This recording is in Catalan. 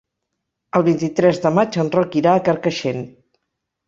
El vint-i-tres de maig en Roc irà a Carcaixent.